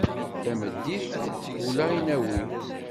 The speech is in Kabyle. Tameddit ula i nawi.